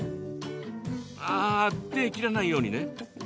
ああ手、切らないようにね。